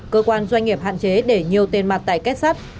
cơ quan doanh nghiệp hạn chế để nhiều tiền mặt tại kết sắt